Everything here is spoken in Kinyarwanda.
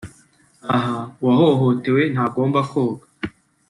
Aha uwahohotewe ntagomba koga